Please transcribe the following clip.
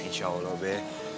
insya allah be